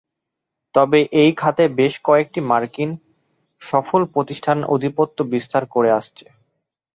তবে এই খাতে বেশ কয়েকটি মার্কিন সফল প্রতিষ্ঠান আধিপত্য বিস্তার করে আসছে।